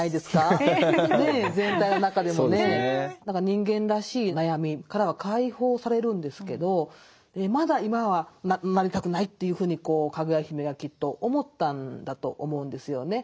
人間らしい悩みからは解放されるんですけどまだ今はなりたくないというふうにかぐや姫がきっと思ったんだと思うんですよね。